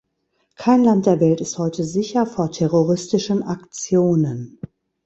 Kein Land der Welt ist heute sicher vor terroristischen Aktionen.